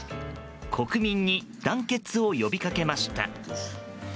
国民に団結を呼びかけました。